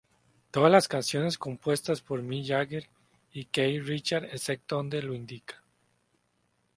Todas las canciones compuestas por Mick Jagger y Keith Richards excepto donde lo indica.